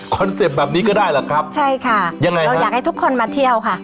เซ็ปต์แบบนี้ก็ได้แหละครับใช่ค่ะยังไงเราอยากให้ทุกคนมาเที่ยวค่ะ